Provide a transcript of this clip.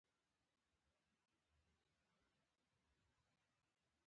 لاړې د غوث الدين پر کږه پزه وڅڅېدې.